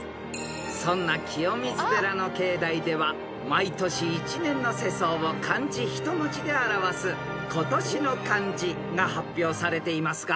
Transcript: ［そんな清水寺の境内では毎年１年の世相を漢字１文字で表す今年の漢字が発表されていますが］